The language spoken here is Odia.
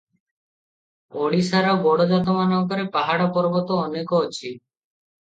ଓଡ଼ିଶାର ଗଡଜାତମାନଙ୍କରେ ପାହାଡ଼ପର୍ବତ ଅନେକ ଅଛି ।